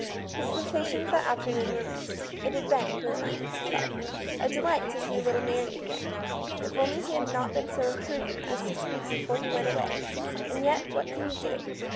His sensa tions that afternoon were mixed. It had been, he reminded himself, delightful to see little Mary again. If only he had not been so imprudent as to speak before he went away. And yet what could he do?